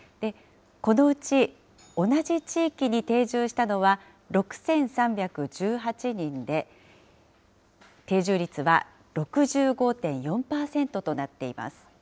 このうち同じ地域に定住したのは６３１８人で、定住率は６５．４％となっています。